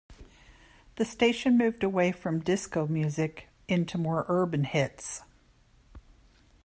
The station moved away from disco music into more urban hits.